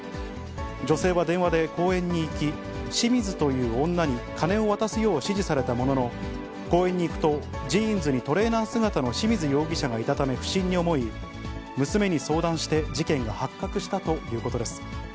女性は電話で公園に行き、清水という女に金を渡すよう指示されたものの、公園に行くと、ジーンズにトレーナー姿の清水容疑者がいたため不審に思い、娘に相談して、事件が発覚したということです。